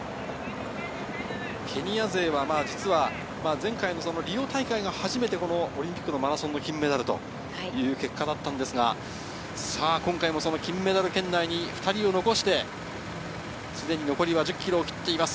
ケニア勢は実は前回のリオ大会が初めてオリンピックのマラソンの金メダルという結果だったんですが、今回も金メダル圏内に２人を残して、すでに残りは１０ｋｍを切っています。